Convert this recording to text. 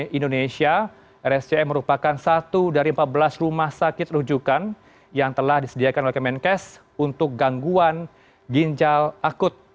di indonesia rscm merupakan satu dari empat belas rumah sakit rujukan yang telah disediakan oleh kemenkes untuk gangguan ginjal akut